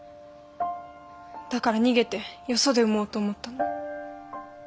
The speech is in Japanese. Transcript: だから逃げてよそで産もうと思ったの。